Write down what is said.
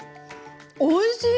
おいしい！